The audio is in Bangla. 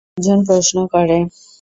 একজন প্রশ্ন করে।